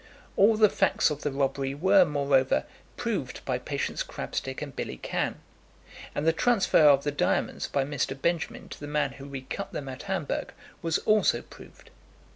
All the facts of the robbery were, moreover, proved by Patience Crabstick and Billy Cann; and the transfer of the diamonds by Mr. Benjamin to the man who recut them at Hamburg was also proved.